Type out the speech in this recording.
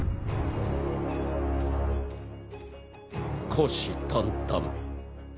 虎視眈々。